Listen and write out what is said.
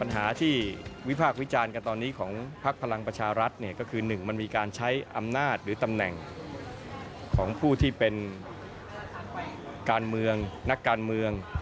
ปัญหาที่วิพากษ์วิจารณ์กันตอนนี้ของพักพลังประชารัฐเนี่ยก็คือ๑มันมีการใช้อำนาจหรือตำแหน่งของผู้ที่เป็นการเมืองนักการเมือง